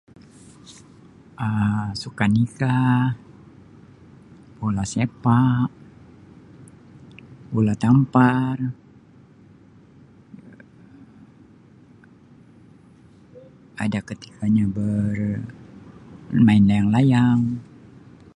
Um Sukaneka, Bola Sepak, Bola Tampar Um ada ketika nya bermain Layang-layang.